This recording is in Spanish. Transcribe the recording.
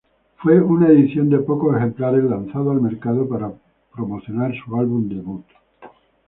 Fue una edición de pocos ejemplares lanzado al mercado para promocionar su álbum debut.